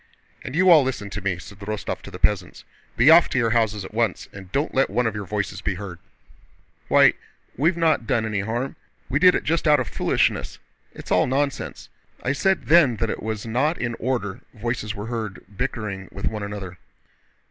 "And you all listen to me!" said Rostóv to the peasants. "Be off to your houses at once, and don't let one of your voices be heard!" "Why, we've not done any harm! We did it just out of foolishness. It's all nonsense.... I said then that it was not in order," voices were heard bickering with one another.